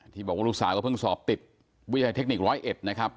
ที่บอกว่าลูกสาวก็เพิ่งสอบติดวิทยาลัยเทคนิค๑๐๑นะครับ